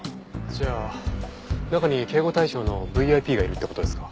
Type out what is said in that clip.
じゃあ中に警護対象のＶＩＰがいるって事ですか？